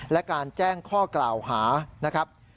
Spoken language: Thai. และการแจ้งข้อกล่าวหานะครับ